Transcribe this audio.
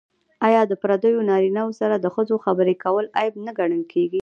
آیا د پردیو نارینه وو سره د ښځو خبرې کول عیب نه ګڼل کیږي؟